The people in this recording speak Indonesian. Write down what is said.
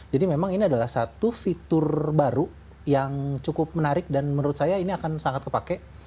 jadi memang ini adalah satu fitur baru yang cukup menarik dan menurut saya ini akan sangat kepake